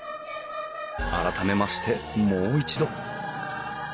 改めましてもう一度。